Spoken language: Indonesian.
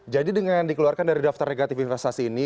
jadi dengan dikeluarkan dari daftar negatif investasi ini